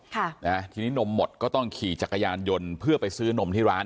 ค่ะนะฮะทีนี้นมหมดก็ต้องขี่จักรยานยนต์เพื่อไปซื้อนมที่ร้าน